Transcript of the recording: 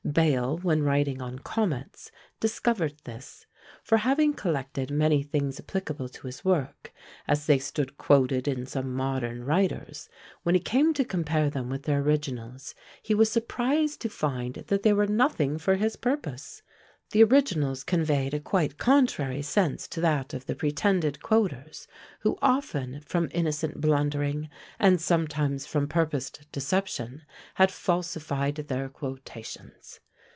Bayle, when writing on "Comets," discovered this; for having collected many things applicable to his work, as they stood quoted in some modern writers, when he came to compare them with their originals, he was surprised to find that they were nothing for his purpose! the originals conveyed a quite contrary sense to that of the pretended quoters, who often, from innocent blundering, and sometimes from purposed deception, had falsified their quotations.